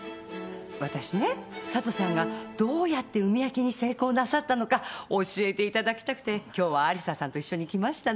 私ね佐都さんがどうやって産み分けに成功なさったのか教えていただきたくて今日は有沙さんと一緒に来ましたの。